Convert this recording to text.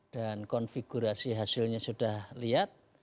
dan konfigurasi hasilnya sudah lihat